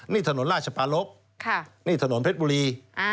นี่ถนนราชปารพนี่ถนนเพชรบุรี